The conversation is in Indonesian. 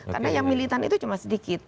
karena yang militan itu cuma sedikit